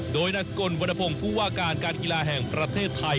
โดยนายสกลวรรณพงศ์ผู้ว่าการการกีฬาแห่งประเทศไทย